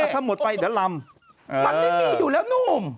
ถ้าหมดไปเดี๋ยวลำมันไม่มีอยู่แล้วหนุ่ม